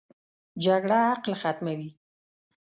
جګړه عقل ختموي